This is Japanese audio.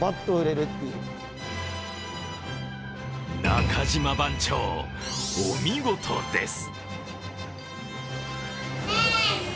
中島番長、お見事です。